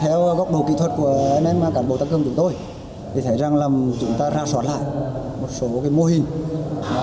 theo góc đồ kỹ thuật của nmh cảnh bộ tăng cơm chúng tôi thì thấy rằng là chúng ta ra soát lại một số mô hình